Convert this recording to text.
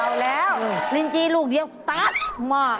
เอาแล้วลินจีลูกเดียวตาสมาก